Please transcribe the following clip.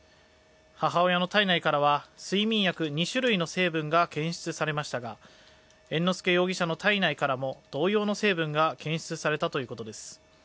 母親の体内からは睡眠薬２種類の成分が検出されましたが猿之助容疑者の体内からも同様の成分が検出されたということです。